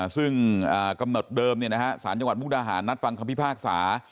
ซึ่งกำหนดเดิมสารจังหวัดมุกดาหารนัดฟังคำพิพากษา